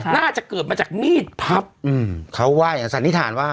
น่าจะเกิดมาจากมีดพับเขาไหว้อ่ะสันนิษฐานว่า